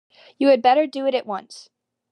You had better do it at once.